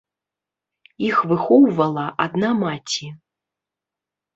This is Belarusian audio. Іх выхоўвала адна маці.